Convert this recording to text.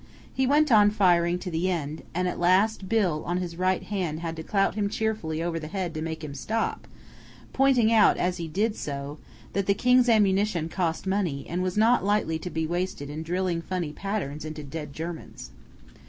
He went on firing to the end, and at last Bill on his right had to clout him cheerfully over the head to make him stop, pointing out as he did so that the King's ammunition cost money and was not lightly to be wasted in drilling funny patterns into dead Germans.